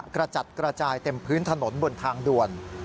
กระจัดกระจายเต็มพื้นถนนบนทางด่วน